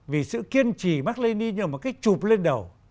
vì sự kiên trì mạc lê điên như một cái chụp lên đầu